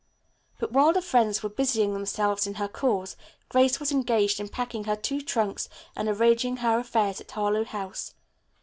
But while her friends were busying themselves in her cause Grace was engaged in packing her two trunks and arranging her affairs at Harlowe House.